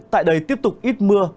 tại đây tiếp tục ít mưa